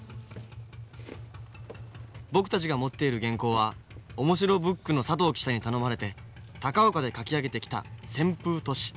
僕たちが持っている原稿は「おもしろブック」の佐藤記者に頼まれて高岡で描き上げてきた「旋風都市」。